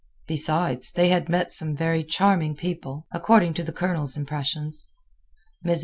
Besides, they had met some very charming people, according to the Colonel's impressions. Mrs.